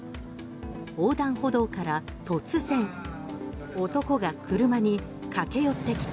横断歩道から突然男が車に駆け寄ってきて。